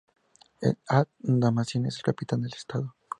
Ad-Damazin es la capital del Estado.